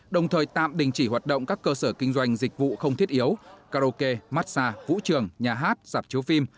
đồng thời tạm đình chỉ hoạt động các cơ sở kinh doanh dịch vụ không thiết yếu karaoke massage vũ trường nhà hát giảm chiếu phim